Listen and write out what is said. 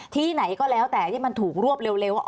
ที่ไหนก็แล้วแต่ที่มันถูกรวบเร็ว